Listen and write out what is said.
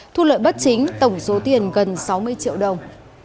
thu lợi bất chính tổng số tiền gần sáu mươi triệu đồng